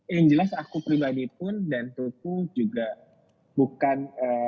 yang jelas aku pribadi pun dan tuku juga bukan